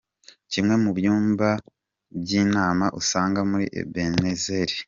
Kimwe mu byumba by'inama usanga muri Ebenezer.